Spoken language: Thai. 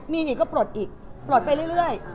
มีอีกก็ปลดอีกปลดไปเรื่อย